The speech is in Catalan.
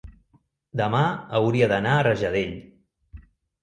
demà hauria d'anar a Rajadell.